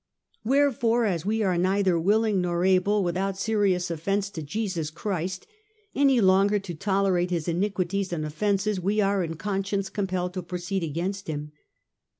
" Wherefore, as we are neither willing nor able, without serious offence to Jesus Christ, any longer to tolerate his iniquities and offences, we are in conscience compelled to proceed against him.